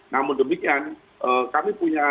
namun demikian kami punya